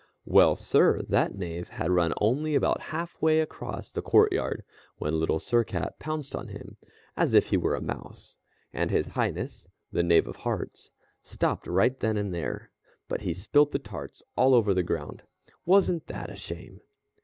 Well, Sir! That Knave had run only about half way across the courtyard when Little Sir Cat pounced on him as if he were a mouse, and his Highness, the Knave of Hearts, stopped right then and there, but he spilt the tarts all over the ground. Wasn't that a shame?